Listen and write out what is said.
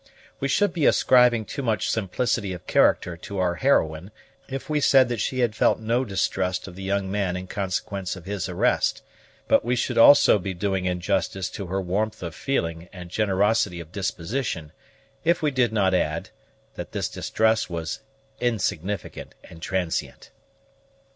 We should be ascribing too much simplicity of character to our heroine, if we said that she had felt no distrust of the young man in consequence of his arrest; but we should also be doing injustice to her warmth of feeling and generosity of disposition, if we did not add, that this distrust was insignificant and transient.